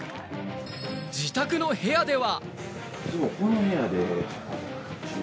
自宅の部屋では。